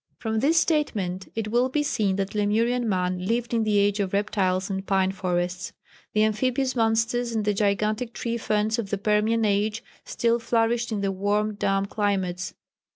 ] From this statement it will be seen that Lemurian man lived in the age of Reptiles and Pine Forests. The amphibious monsters and the gigantic tree ferns of the Permian age still flourished in the warm damp climates.